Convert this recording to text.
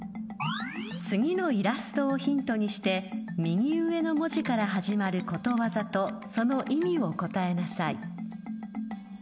［次のイラストをヒントにして右上の文字から始まることわざとその意味を答えなさい］